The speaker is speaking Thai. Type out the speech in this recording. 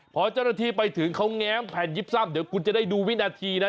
พอเจ้าหน้าที่ไปถึงเขาแง้มแผ่นยิบซ่ำเดี๋ยวคุณจะได้ดูวินาทีนะ